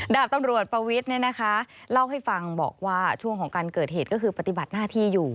ดาบตำรวจปวิทย์เล่าให้ฟังบอกว่าช่วงของการเกิดเหตุก็คือปฏิบัติหน้าที่อยู่